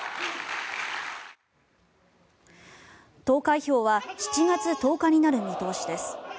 投開票は７月１０日になる見通しです。